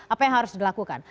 apa yang harus dilakukan